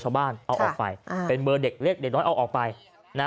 ชาวบ้านเอาออกไปเป็นเบอร์เด็กเล็กเด็กน้อยเอาออกไปนะ